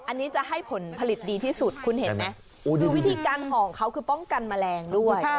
อันนี้จะให้ผลผลิตดีที่สุดคุณเห็นไหมคือวิธีการห่อของเขาคือป้องกันแมลงด้วย